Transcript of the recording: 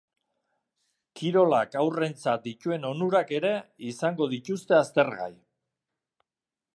Kirolak haurrentzat dituen onurak ere izango dituzte aztergai.